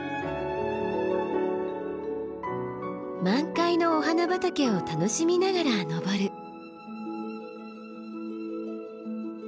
満開のお花畑を楽しみながら登る。